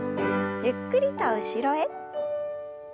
ゆっくりと後ろへ。